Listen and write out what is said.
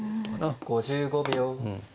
５５秒。